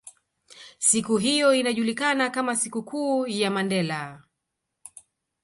Siku hiyo inajulikana kama siku kuu ya Mandela